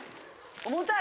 重たい？